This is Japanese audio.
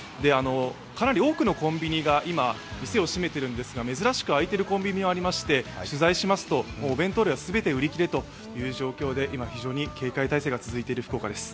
かなり多くのコンビニが今店を閉めているんですが珍しく開いているコンビニがありまして取材しますと、お弁当類は全て売り切れという状況で今、非常に警戒態勢が続いている福岡です。